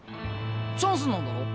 チャンスなんだろ？